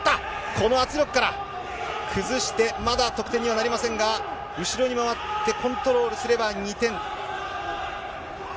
この圧力から、崩して、まだ得点にはなりませんが、後ろに回って、コントロールすれば２点。